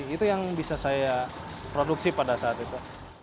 itu yang bisa saya produksi pada saat itu